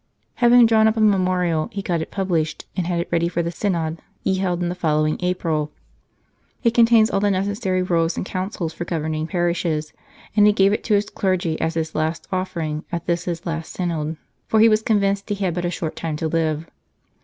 Having drawn up a memorial, he got it pub lished, and had it ready for the synod he held in the following April. It contains all the necessary rules and counsels for governing parishes, and he gave it to his clergy as his last offering at this his last synod, for he was convinced he had but a short time to live.